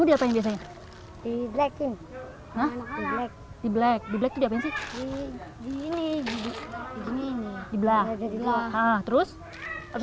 oh pasar dijualnya berapa